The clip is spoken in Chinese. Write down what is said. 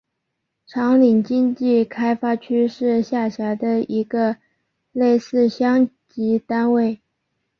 长岭经济开发区是下辖的一个类似乡级单位。